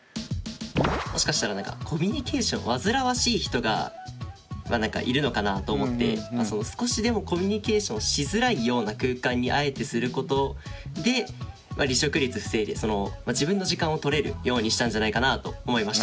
もしかしたらコミュニケーション煩わしい人がいるのかなと思って少しでもコミュニケーションしづらいような空間にあえてすることで離職率防いで自分の時間をとれるようにしたんじゃないかなあと思いました。